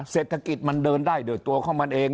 เศรษฐกิจมันเดินได้โดยตัวของมันเอง